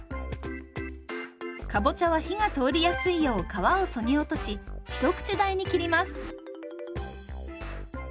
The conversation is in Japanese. かぼちゃは火が通りやすいよう皮をそぎ落とし一口大に切ります。